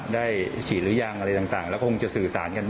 ได้ฉีดหรือยังอะไรต่างแล้วก็คงจะสื่อสารกัน